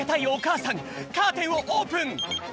おかあさんカーテンをオープン。